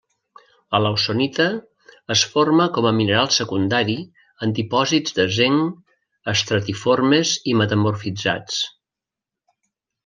La lawsonita es forma com a mineral secundari en dipòsits de zinc estratiformes i metamorfitzats.